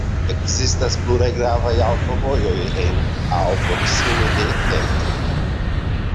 Ekzistas pluraj gravaj aŭtovojoj en aŭ proksime de Kent.